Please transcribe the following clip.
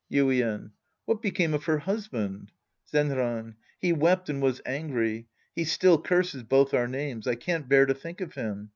Yuien. What became of her husband ? Zenran. He wept and was angry. He still curses both our names. I can't bear to think of him.